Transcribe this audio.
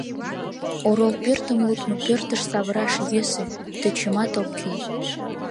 Орол пӧртым лудмо пӧртыш савыраш йӧсӧ, тӧчымат ок кӱл.